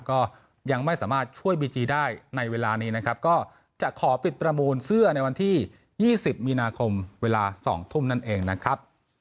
ก็ยังไม่สามารถช่วยบีจีได้ในเวลานี้นะครับก็จะขอปิดประมูลเสื้อในวันที่๒๐มีนาคมเวลา๒ทุ่มนั่นเองนะครับ